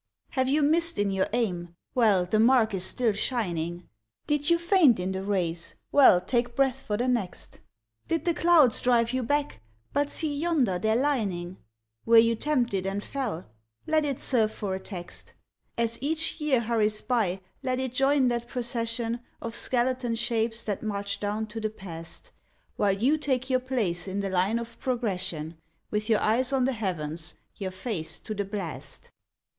Have you missed in your aim? Well, the mark is still shining. Did you faint in the race? Well, take breath for the next. Did the clouds drive you back? But see yonder their lining. Were you tempted and fell? Let it serve for a text. As each year hurries by let it join that procession Of skeleton shapes that march down to the Past, While you take your place in the line of Progression, With your eyes on the heavens, your face to the blast.